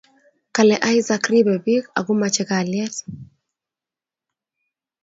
Kale Isaac ribe pik ako mache kalyet